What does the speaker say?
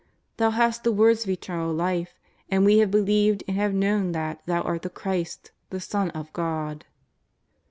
Thou hast the words of eternal life. And we have believed and have kno^vn that Thou art the Christ, the Son of God.''